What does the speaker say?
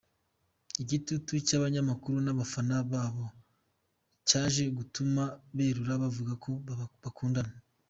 Igitutu cy’abanyamakuru n’abafana babo cyaje gutuma berura bavuga ko bakundana.